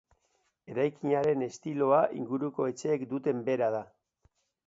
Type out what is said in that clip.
Eraikinaren estiloa inguruko etxeek duten bera da.